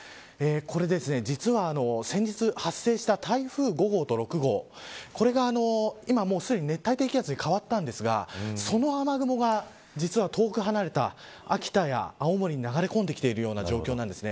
これ実は先日発生した台風５号と６号これが今すでに熱帯低気圧に変わったんですがその雨雲が、実は遠く離れた秋田や青森に流れ込んできているような状態です。